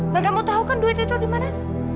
dan kamu tau kan duit itu dimana